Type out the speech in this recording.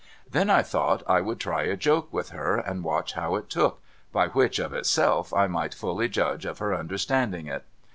Then I thought I would try a joke with her and watch how it took, by which of itself I might fully judge of her understanding it.